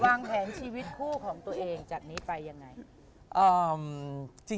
วางแผนชีวิตคู่ของตัวเองจากนี้ไปยังไง